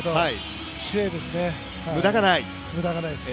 無駄がないです。